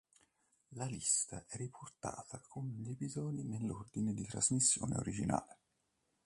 La lista è riportata con gli episodi nell'ordine di trasmissione originale.